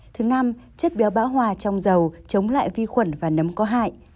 thứ năm chất béo bão hòa trong dầu chống lại vi khuẩn và nấm có hại